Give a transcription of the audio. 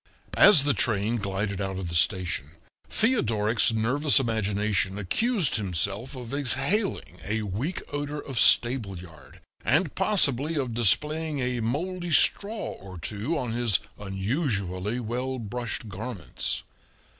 As the train glided out of the station Theodoric's nervous imagination accused himself of exhaling a weak odor of stable yard, and possibly of displaying a moldy straw or two on his unusually well brushed garments.